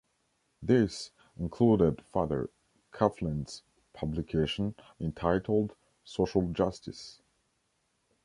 This included Father Coughlin's publication entitled "Social Justice".